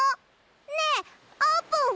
ねえあーぷんは？